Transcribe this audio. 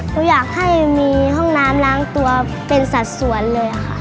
หนูอยากให้มีห้องน้ำล้างตัวเป็นสัดส่วนเลยค่ะ